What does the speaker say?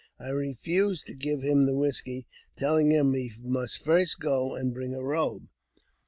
I refused to give him the whisky, telling him hi must first go and bring a robe.